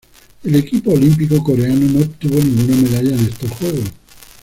El equipo olímpico coreano no obtuvo ninguna medalla en estos Juegos.